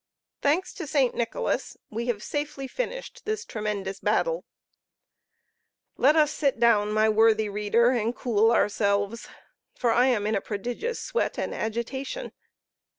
Thanks to St. Nicholas, we have safely finished this tremendous battle. Let us sit down, my worthy reader, and cool ourselves, for I am in a prodigious sweat and agitation.